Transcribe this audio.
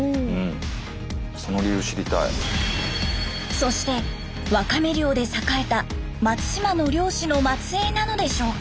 そしてワカメ漁で栄えた松島の漁師の末えいなのでしょうか？